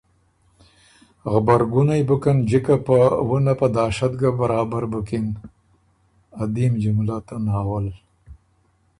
غبرګُونئ بُکِن جِکه په وُنّه په داشت ګه برابر بُکِن۔